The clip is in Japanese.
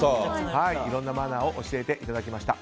いろんなマナーを教えていただきました。